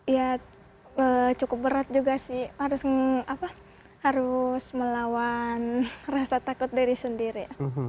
ya cukup berat juga sih harus melawan rasa takut diri sendiri